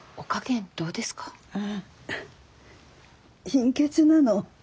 貧血なの。